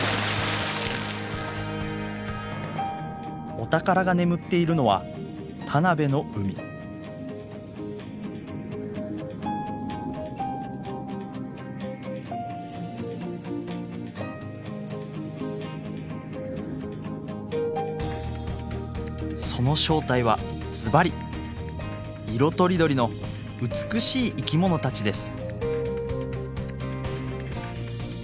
お宝が眠っているのはその正体はズバリ色とりどりの美しい生き物たちです。